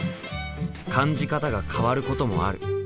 感じ方が変わることもある。